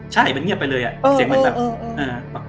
ใช่มันเงียบไปเลยอ่ะเสียงมันแบบเออเออเออเออเออ